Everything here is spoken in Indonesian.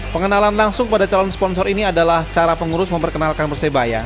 pengenalan langsung pada calon sponsor ini adalah cara pengurus memperkenalkan persebaya